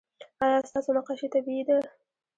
ایا ستاسو نقاشي طبیعي ده؟